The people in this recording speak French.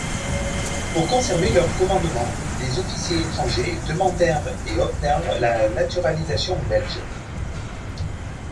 Pour conserver leur commandement, des officiers étrangers demandèrent et obtinrent la naturalisation belge.